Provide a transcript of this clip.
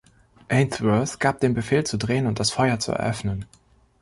Ainsworth gab den Befehl, zu drehen und das Feuer zu eröffnen.